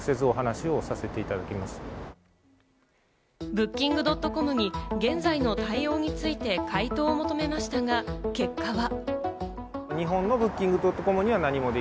Ｂｏｏｋｉｎｇ．ｃｏｍに現在の対応について、回答を求めましたが、結果は。